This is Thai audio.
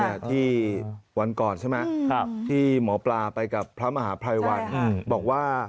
ที่วันก่อนใช่ไหมครับที่หมอปลาไปกับพระมหาภัยวันบอกว่า